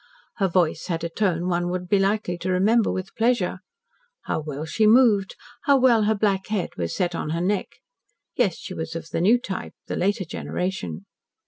Her voice had a tone one would be likely to remember with pleasure. How well she moved how well her black head was set on her neck! Yes, she was of the new type the later generation.